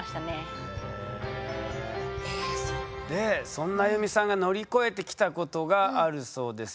そんな安祐美さんが乗り越えてきたことがあるそうです。